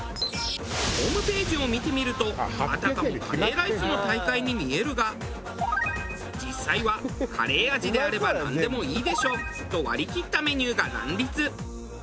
ホームページを見てみるとあたかもカレーライスの大会に見えるが実際はカレー味であればなんでもいいでしょと割り切ったメニューが乱立。